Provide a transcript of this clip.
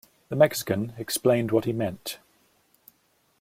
The Mexican explained what he meant.